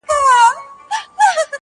هرڅه بدل دي، د زمان رنګونه واوښتله!